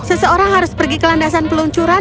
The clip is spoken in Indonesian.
seseorang harus pergi ke landasan peluncuran